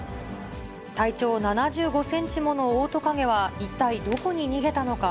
体長７５センチものオオトカゲは一体どこに逃げたのか。